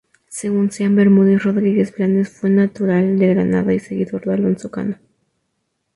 Según Ceán Bermúdez Rodríguez Blanes fue natural de Granada y seguidor de Alonso Cano.